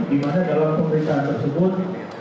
dimana dalam pemerintahan tersebut